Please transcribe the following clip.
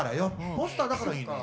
ポスターだからいいのよ。